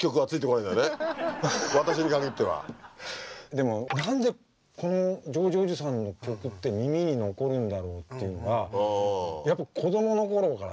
でも何でこのジョージおじさんの曲って耳に残るんだろうっていうのはやっぱ子供の頃からあったもん。